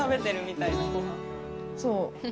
そう。